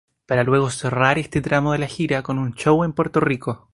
Para luego cerrar este tramo de la gira con un show en Puerto Rico.